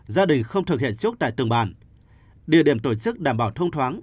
gia đình không thực hiện trước tại từng bàn địa điểm tổ chức đảm bảo thông thoáng